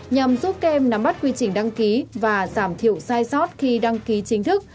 nhằm giúp kem nắm bắt quy trình đăng ký và giảm thiểu sai sót khi đăng ký chính thức